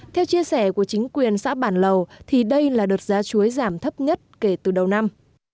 theo chia sẻ của chính quyền xã bản lầu thì đây là đợt giá chuối giảm thấp nhất kể từ đầu năm